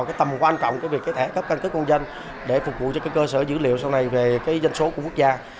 cái tầm quan trọng về cái thẻ cấp căn cước công dân để phục vụ cho cơ sở dữ liệu sau này về cái danh số của quốc gia